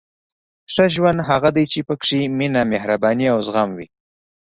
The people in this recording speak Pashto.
• ښه ژوند هغه دی چې پکې مینه، مهرباني او زغم وي.